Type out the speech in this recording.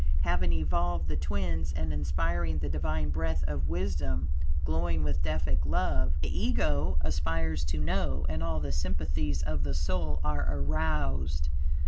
Having evolved the twins, and inspiring the Divine breath of wisdom; glowing with Deific love, the Ego aspires to know; and all the sympathies of the soul are aroused.